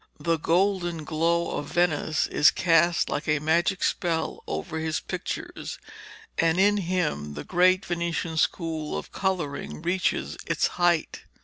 The golden glow of Venice is cast like a magic spell over his pictures, and in him the great Venetian school of colouring reaches its height.